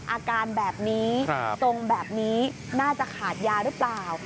อาการแบบนี้ทรงแบบนี้น่าจะขาดยาหรือเปล่า